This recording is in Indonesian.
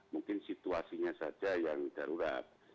mungkin situasinya saja yang darurat